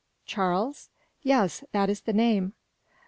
"Charles?" "Yes, that is the name."